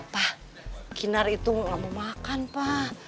pak kinar itu nggak mau makan pak